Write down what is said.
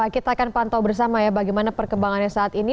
kita akan pantau bersama ya bagaimana perkembangannya saat ini